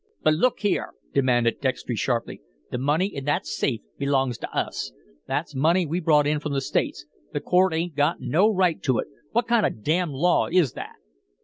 "But, look here," demanded Dextry, sharply, "the money in that safe belongs to us. That's money we brought in from the States. The court 'ain't got no right to it. What kind of a damn law is that?"